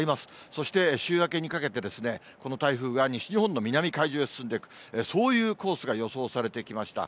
そして、週明けにかけて、この台風が西日本の南海上へ進んでいく、そういうコースが予想されてきました。